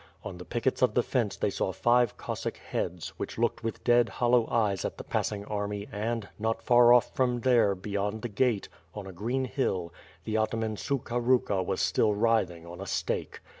On the pickets of the fence they saw five Cossack heads, which looked with dead hollow eyes at the passing army and, not far from there, beyond the gate, on a green hill, the Ataman Sukha Ruka was still writhing on a stake.